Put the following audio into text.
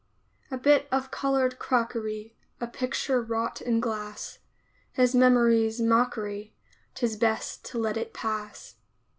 A bit of colored crockery, A picture wrought in glass, His memory's mockery 'Tis best to let it pass.